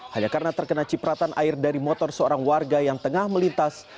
hanya karena terkena cipratan air dari motor seorang warga yang tengah melintas